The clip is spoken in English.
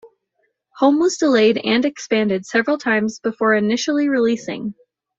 Home was delayed and expanded several times before initially releasing.